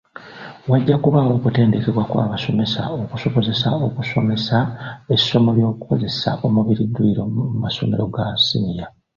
Wajja kubaayo okutendekebwa kw'abasomesa okubasobozesa okusomesa essomo ly'okukozesa omubiri dduyiro mu masomero ga siniya.